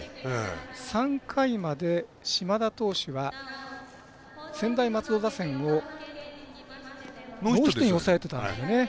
３回まで島田投手は専大松戸打線をノーヒットに抑えてたんですけど。